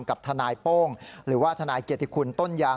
กับทนายโป้งหรือว่าทนายเกียรติคุณต้นยาง